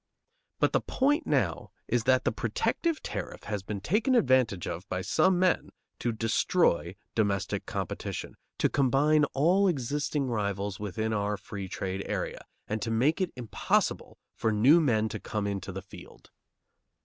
But the point now is that the protective tariff has been taken advantage of by some men to destroy domestic competition, to combine all existing rivals within our free trade area, and to make it impossible for new men to come into the field.